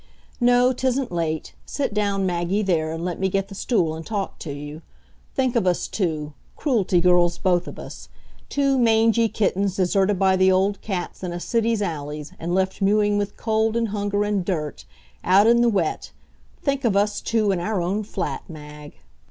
No, 'tisn't late. Sit down, Maggie, there, and let me get the stool and talk to you. Think of us two Cruelty girls, both of us two mangy kittens deserted by the old cats in a city's alleys, and left mewing with cold and hunger and dirt, out in the wet think of us two in our own flat, Mag!